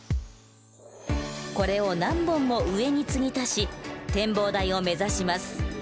これを何本も上に継ぎ足し展望台を目指します。